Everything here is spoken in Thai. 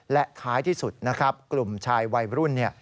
และท้ายที่สุดนะครับกลุ่มชายวัยรุ่นเนี่ย